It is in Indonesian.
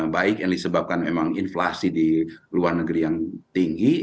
baik yang disebabkan memang inflasi di luar negeri yang tinggi